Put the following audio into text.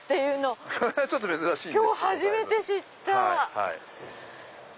今日初めて知った！